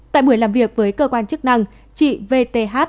tại buổi làm việc với cơ quan chức năng chị v t h